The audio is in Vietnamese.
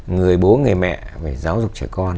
người bố người mẹ phải giáo dục trẻ con